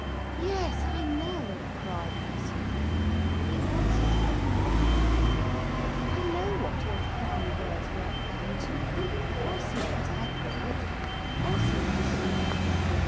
"Yes, I know!" cried Ursula. "He wants his own way—I know what your fine words work down to—bossiness, I call it, bossiness."